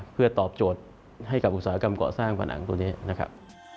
เพื่อตอบโจทย์ให้กับอุตสาหกรรมก่อสร้างผนังตัวนี้นะครับ